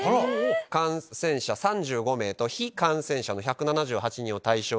感染者３５名と非感染者１７８人を対象に。